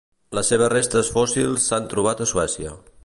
Les seves restes fòssils s'han trobat a Suècia.